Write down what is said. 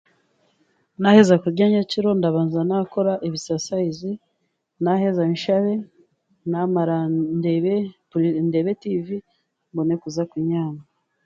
Naaheza kurya nyekiro ndabanza naakora ebisasaizi, naaheza nshabe, naamara ndebe, ndeebe TV, mbone kuza kunyaama.